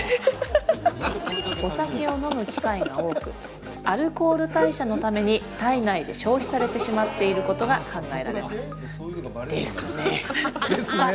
「お酒を飲む機会が多くアルコール代謝のために体内で消費されてしまっていることが考えられます」ですね。